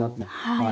はい。